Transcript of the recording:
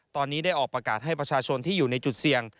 ตอนนี้ได้ออกประกาศให้ประชาชนที่อยู่ในจุดเสี่ยง